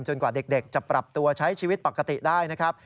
กว่าเด็กจะปรับตัวใช้ชีวิตปกติได้นะครับ